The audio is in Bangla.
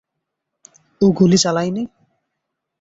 ও গুলি চালায়নি?